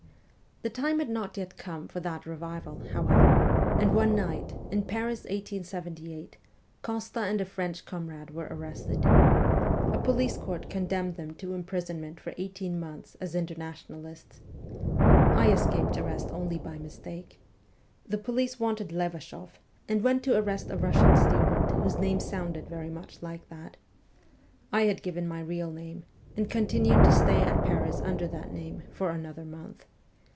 The time had not yet come for that revival, how ever, and one night, in April 1878, Costa and a French comrade were arrested. A police court condemned them to imprisonment for eighteen months as Inter nationalists. I escaped arrest only by mistake. The police wanted Levashoff, and went to arrest a Russian student whose name sounded very much like that. I had given my real name, and continued to stay at Paris under that name for another month.